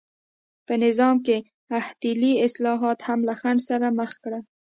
په نظام کې احتلي اصلاحات هم له خنډ سره مخ کړل.